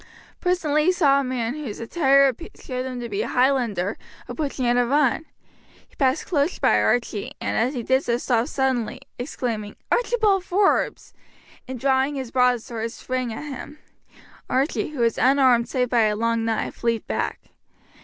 Presently he saw a man, whose attire showed him to be a Highlander, approaching at a run; he passed close by Archie, and as he did so stopped suddenly, exclaiming, "Archibald Forbes!" and drawing his broadsword sprang at him. Archie, who was unarmed save by a long knife, leapt back.